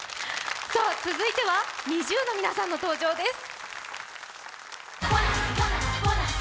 続いてはＮｉｚｉＵの皆さんの登場です